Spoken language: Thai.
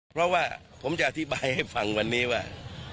เพราะว่าผมจะอธิบายให้ฟังวันนี้ว่า